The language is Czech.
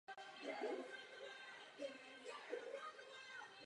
Právní rámec se tomu musí přizpůsobovat.